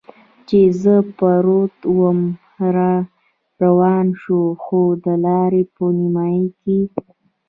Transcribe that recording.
چې زه پروت ووم را روان شو، خو د لارې په نیمایي کې.